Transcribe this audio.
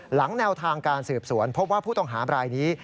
แนวทางการสืบสวนพบว่าผู้ต้องหาบรายนี้